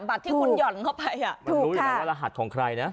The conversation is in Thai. บัตรที่คุณหย่อนเข้าไปอ่ะถูกค่ะมันรู้อยู่แล้วว่ารหัสของใครนะ